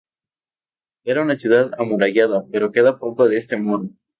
Era una ciudad amurallada, pero queda poco de este muro.